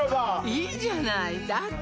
いいじゃないだって